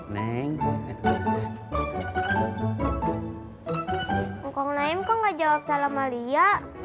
mengkong naik kok nggak jawab salam alia